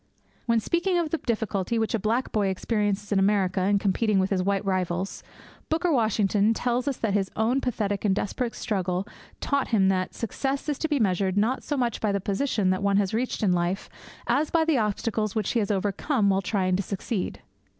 When speaking of the difficulty which a black boy experiences in America in competing with his white rivals, Booker Washington tells us that his own pathetic and desperate struggle taught him that 'success is to be measured not so much by the position that one has reached in life as by the obstacles which he has overcome while trying to succeed.'